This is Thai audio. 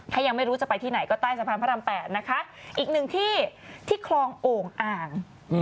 ถ้ายังไม่รู้จะไปที่ไหนก็ใต้สะพานพระราม๘นะคะอีกหนึ่งที่ที่คลองโอ่งอ่าง